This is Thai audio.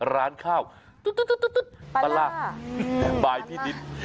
ร้านข้าวปลาร่าบายที่ดิน